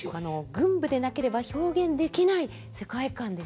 群舞でなければ表現できない世界観でしたよね。